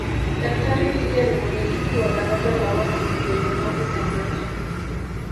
Daktari kija ni mwenyekiti wa baraza la watu wenye ulemavu Tanzania